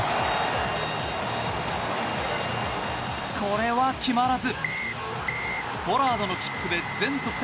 これは決まらず。